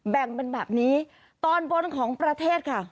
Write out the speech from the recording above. แบ่งเป็นแบบนี้ตอนบนของประเทศค่ะ